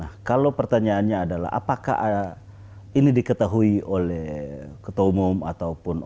nah kalau pertanyaannya adalah apakah ini diketahui oleh ketua umum atau dpp pan